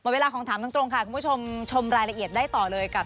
เวลาของถามตรงค่ะคุณผู้ชมชมรายละเอียดได้ต่อเลยกับ